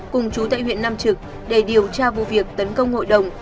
cùng chú tại huyện nam trực để điều tra vụ việc tấn công hội đồng